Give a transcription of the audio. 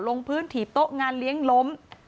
ลงพื้นถีบโต๊ะงานเลี้ยงล้ม